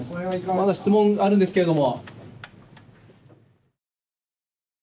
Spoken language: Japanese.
まだ質問あるんですけれども。